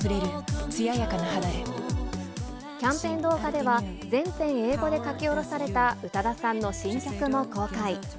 キャンペーン動画では、全編英語で書き下ろされた宇多田さんの新作も公開。